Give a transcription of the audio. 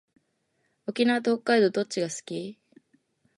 沖縄と北海道どっちが好き？